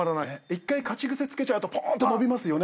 １回勝ち癖つけちゃうとぽーんと伸びますよね。